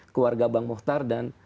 keluarga bang mohtar dan